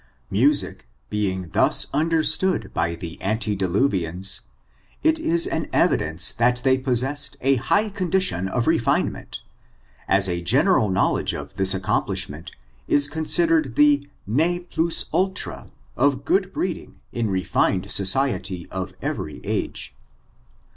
Muticbrii^ thus ondemood by the anladi laviuu^ it is an evidenot that ibey possessed a hig^ condition of refinement, as a general knowledge of tki$ aoooni[diibnient is considered the ne pint uUrm of good breeding in refined society of every age.